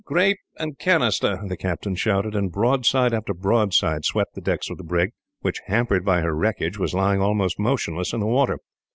"Grape and canister!" the captain shouted, and broadside after broadside swept the decks of the brig, which, hampered by her wreckage, was lying almost motionless in the water.